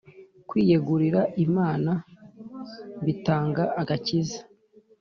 kwiyegurira imana bitanga agakiza